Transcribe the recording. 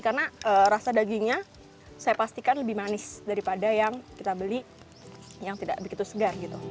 karena rasa dagingnya saya pastikan lebih manis daripada yang kita beli yang tidak begitu segar